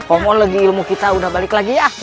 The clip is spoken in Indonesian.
omo lagi ilmu kita udah balik lagi ya